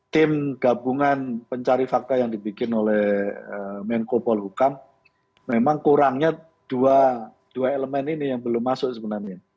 tim gabungan pencari fakta yang dibikin oleh menko polhukam memang kurangnya dua elemen ini yang belum masuk sebenarnya